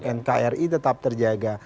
dan kri tetap terjaga